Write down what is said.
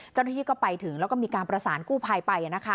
เจ้าหน้าที่ก็ไปถึงแล้วก็มีการประสานกู้ภัยไป